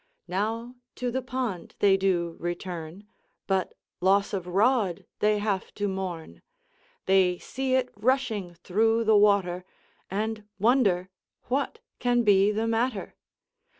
Now to the pond they do return, But loss of rod they have to mourn, They see it rushing through the water, And wonder what can be the matter.